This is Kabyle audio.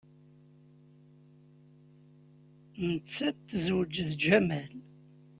Nettat tezweǧ d Jamal.